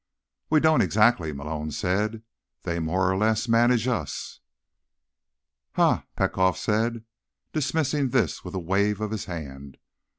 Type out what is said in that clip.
"We don't, exactly," Malone said. "They more or less manage us." "Ha," Petkoff said, dismissing this with a wave of his hand.